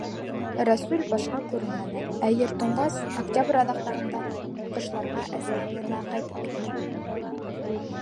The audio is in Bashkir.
Рәсүл башҡа күренмәне, ә ер туңғас, октябрь аҙаҡтарында ҡышларға әсәһе янына ҡайтып китте.